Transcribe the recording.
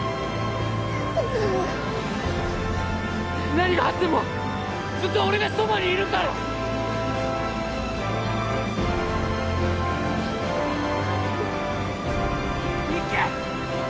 何があってもずっと俺がそばにいるから行け！